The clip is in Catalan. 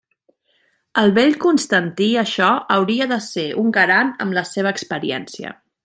El vell Constantí això hauria de ser un garant amb la seva experiència.